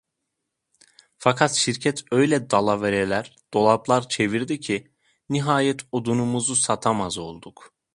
Fakat şirket öyle dalavereler, dolaplar çevirdi ki, nihayet odunumuzu satamaz olduk.